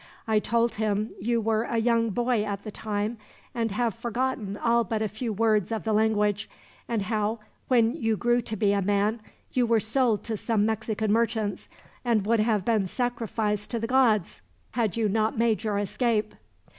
I told him you were a young boy at the time, and have forgotten all but a few words of the language; and how, when you grew to be a man, you were sold to some Mexican merchants, and would have been sacrificed to the gods had you not made your escape.